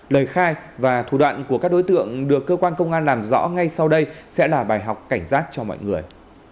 lời khai và thủ đoạn của các đối tượng được cơ quan công an làm rõ ngay sau đây sẽ là bài học cảnh giác cho mọi người